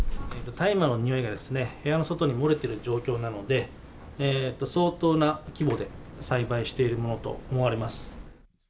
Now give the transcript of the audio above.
大麻の臭いがですね、部屋の外に漏れてる状況なので、相当な規模で栽培しているものと思われます。